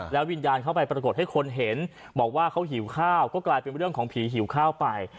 วิญญาณเข้าไปปรากฏให้คนเห็นบอกว่าเขาหิวข้าวก็กลายเป็นเรื่องของผีหิวข้าวไป